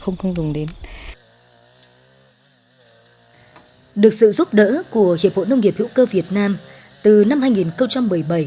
một số dự án nông nghiệp hiệu cơ đã được phát triển